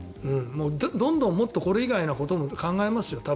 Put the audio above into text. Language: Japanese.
どんどんこれ以外のことも考えますよ。